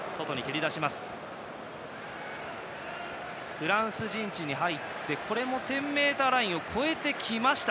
フランス陣地に入ってこれも１０ｍラインを越えてきました。